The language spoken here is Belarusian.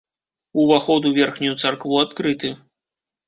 Уваход у верхнюю царкву адкрыты.